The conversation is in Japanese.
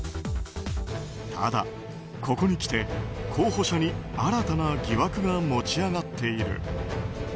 ただ、ここにきて候補者に新たな疑惑が持ち上がっている。